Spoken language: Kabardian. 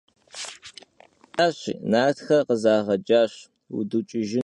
Si nıbj nesaşi, nartxe khızağecaş, vuduç'ıjjınuş.